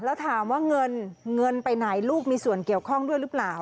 แล้วถามว่าเงินเงินไปไหนลูกมีส่วนเกี่ยวข้องด้วยหรือเปล่า